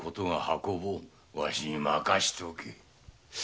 わしに任せておけ。